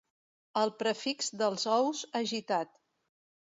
El prefix dels ous, agitat.